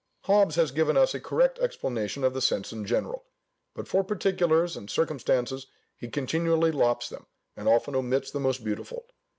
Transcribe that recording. Hobbes has given us a correct explanation of the sense in general; but for particulars and circumstances he continually lops them, and often omits the most beautiful.